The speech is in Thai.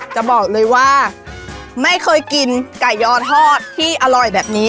จะบอกเลยว่าไม่เคยกินไก่ยอทอดที่อร่อยแบบนี้